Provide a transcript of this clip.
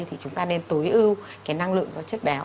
ở đây thì chúng ta nên tối ưu cái năng lượng do chất béo